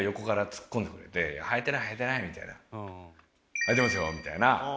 「はいてますよ」みたいな。